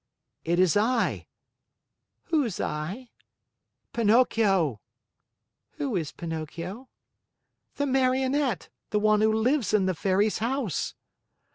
"It is I." "Who's I?" "Pinocchio." "Who is Pinocchio?" "The Marionette; the one who lives in the Fairy's house."